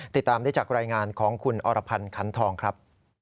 ติดตามได้จากรายงานของคุณอรพันธ์ขันทองครับ